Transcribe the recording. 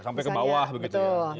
iya iya sampai ke bawah begitu ya